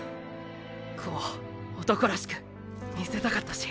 こう男らしく見せたかったし。